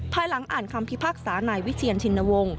ภายหลังอ่านคำพิพากษานายวิเชียนชินวงศ์